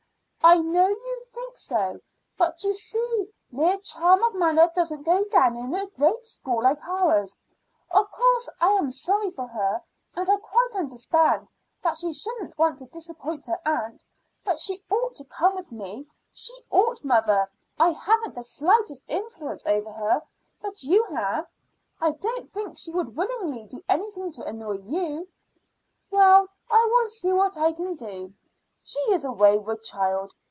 "I know you think so; but, you see, mere charm of manner doesn't go down in a great school like ours. Of course I am sorry for her, and I quite understand that she doesn't want to disappoint her aunt, but she ought to come with me; she ought, mother. I haven't the slightest influence over her, but you have. I don't think she would willingly do anything to annoy you." "Well, I will see what I can do. She is a wayward child.